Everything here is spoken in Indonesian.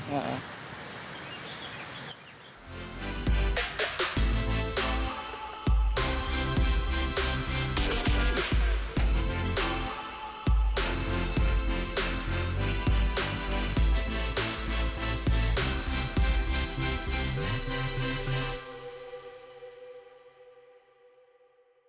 makanya harus covid jurutipnya